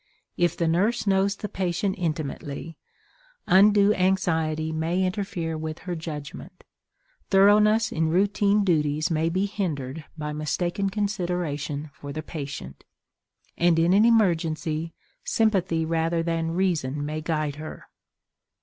If the nurse knows the patient intimately, undue anxiety may interfere with her judgment; thoroughness in routine duties may be hindered by mistaken consideration for the patient; and in an emergency sympathy rather than reason may guide her.